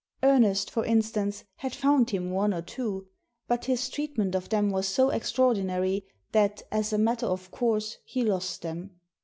Ernest, for instance, had found him one or two. But his treat ment of them was so extraordinary, that, as a matter of course, he lost them.